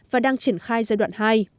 và đang triển khai giai đoạn hai